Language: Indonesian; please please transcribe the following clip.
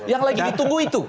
yang lagi ditunggu itu